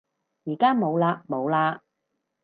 而家冇嘞冇嘞